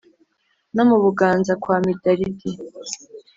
No mu Buganza kwa Midalidi